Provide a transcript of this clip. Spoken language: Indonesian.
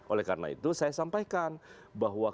oleh karena itu saya sampaikan bahwa